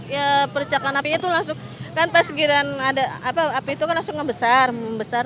ya percikan apinya itu langsung kan persegiran api itu kan langsung ngebesar